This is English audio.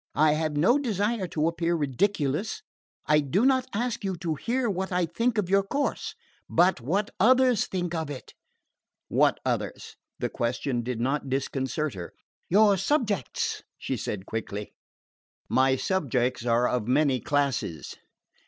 I have no desire to appear ridiculous. I do not ask you to hear what I think of your course, but what others think of it." "What others?" The question did not disconcert her. "Your subjects," she said quickly. "My subjects are of many classes."